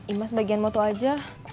imas bagian moto aja